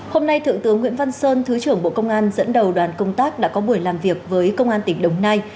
hôm nay thượng tướng nguyễn văn sơn thứ trưởng bộ công an dẫn đầu đoàn công tác đã có buổi làm việc với công an tỉnh đồng nai